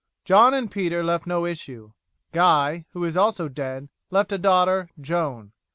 John and Peter left no issue. Guy, who is also dead, left a daughter, Joan.